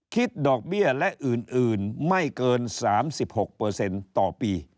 คิดดอกเบี้ยและอื่นไม่เกิน๓๖ต่อปี